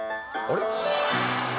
あれ？